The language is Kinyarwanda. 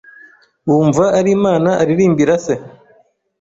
Wumva Ar’Imana Aririmbira se